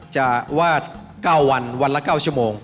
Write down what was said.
จะวาด๙วันวันละ๙ชั่วโมง